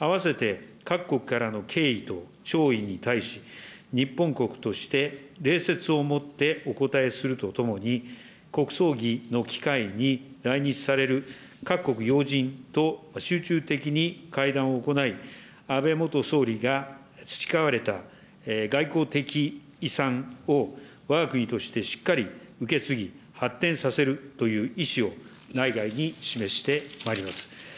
併せて、各国からの敬意と弔意に対し、日本国として、礼節をもってお応えするとともに、国葬儀の機会に来日される各国要人と集中的に会談を行い、安倍元総理が培われた外交的遺産を、わが国としてしっかり受け継ぎ、発展させるという意思を、内外に示してまいります。